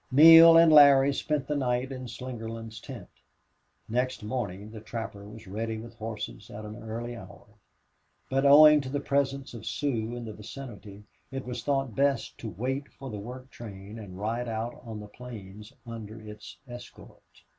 Neale and Larry spent the night in Slingerland's tent. Next morning the trapper was ready with horses at an early hour, but, owing to the presence of Sioux in the vicinity, it was thought best to wait for the work train and ride out on the plains under its escort.